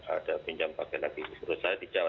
ada pinjam pakai lagi menurut saya di jawa